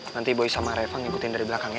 nanti boy sama repva ngikutin dari belakang ya